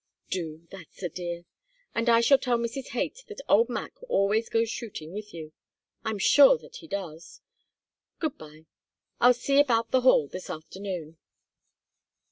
"Do, that's a dear. And I shall tell Mrs. Haight that old Mac always goes shooting with you. I am sure that he does. Good bye. I'll see about the hall this afternoon."